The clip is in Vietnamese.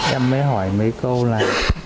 em mới hỏi mấy câu là